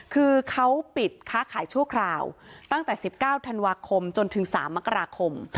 คือเขาปิดค้าขายชั่วคราวตั้งแต่๑๙ธันวาคมจนถึง๓มกราคม